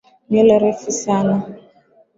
Nywele refu sana.